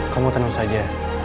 kamu tenang saja